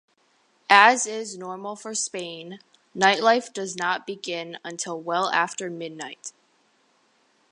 As is normal for Spain, nightlife does not begin until well after midnight.